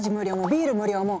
ビール無料も！